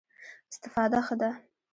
استفاده ښه ده.